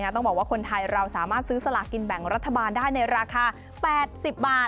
ต้องบอกว่าคนไทยเราสามารถซื้อสลากินแบ่งรัฐบาลได้ในราคา๘๐บาท